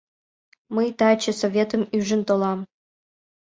— Мый таче Советым ӱжын толам...